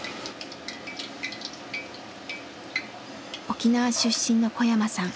沖縄出身の小山さん。